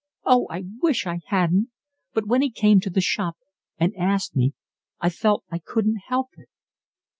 Oh, I wish I hadn't. But when he came to the shop and asked me I felt I couldn't help it."